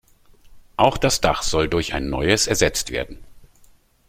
Auch das Dach soll durch ein neues ersetzt werden.